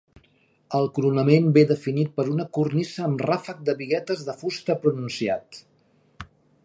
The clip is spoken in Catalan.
El coronament ve definit per una cornisa amb ràfec de biguetes de fusta pronunciat.